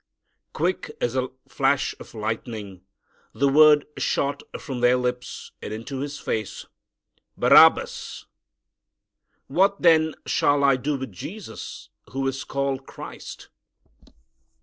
Quick as a flash of lightning the word shot from their lips and into his face, "Barabbas!" "What, then, shall I do with Jesus, who is called Christ?"